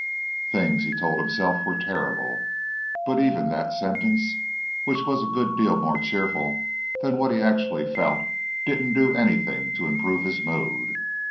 Things, he told himself, were terrible. But even that sentence, which was a good deal more cheerful than what he actually felt, didn't do anything to improve his mood.